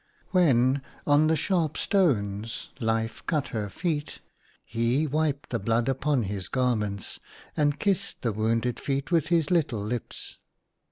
17 When on the sharp stones Life cut her feet, he wiped the blood upon his garments, and kissed the wounded feet with his Httle hps.